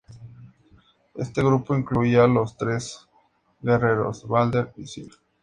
Este grupo incluía a los Tres Guerreros, Balder y Sif.